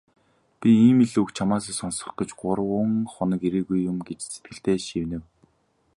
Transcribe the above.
"Би ийм л үг чамаасаа сонсох гэж гурав хоног ирээгүй юм" гэж сэтгэлдээ шивнэв.